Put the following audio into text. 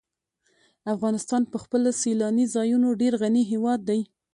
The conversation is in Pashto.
افغانستان په خپلو سیلاني ځایونو ډېر غني هېواد دی.